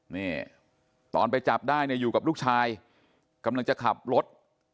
นี่ตอนไปจับได้เนี่ยอยู่กับลูกชายกำลังจะขับรถ